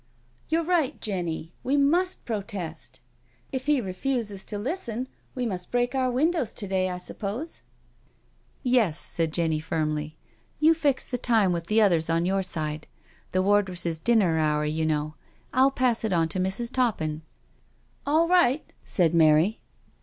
*• You're right, Jenny— we must protest. If he re fuses to listen we must break our windows to day, I suppose?" •• Yes," said Jenny firmly. " You fix the time with the others on your side — the wardresses dinner hour, you know — I'll pass it on to Mrs. Toppin." "AH right," said Mary.